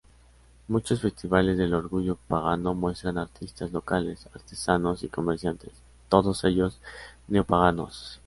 Muchos festivales del Orgullo Pagano muestran artistas locales, artesanos y comerciantes, todos ellos neopaganos.